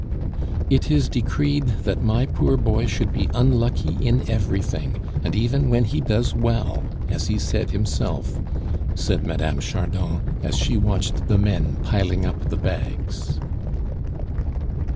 "It is decreed that my poor boy should be unlucky in everything, and even when he does well, as he said himself," said Mme. Chardon, as she watched the men piling up the bags.